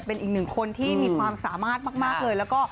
เป็นอีกหนึ่งคนที่มีความสามารถมาก